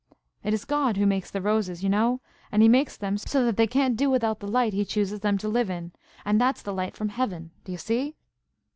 It is God who makes the roses, you know, and He makes them so that they can't do without the light He chooses them to live in, and that's the light from heaven–do you see?"